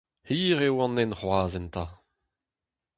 Hir eo an hent c'hoazh enta.